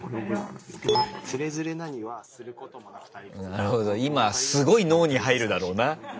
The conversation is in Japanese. なるほど今すごい脳に入るだろうな。